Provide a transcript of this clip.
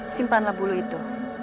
simpanlah bulu itu